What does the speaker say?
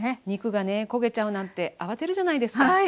肉がね焦げちゃうなんてあわてるじゃないですか。